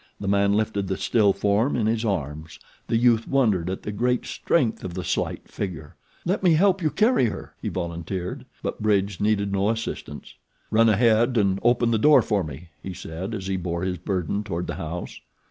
The man lifted the still form in his arms. The youth wondered at the great strength of the slight figure. "Let me help you carry her," he volunteered; but Bridge needed no assistance. "Run ahead and open the door for me," he said, as he bore his burden toward the house.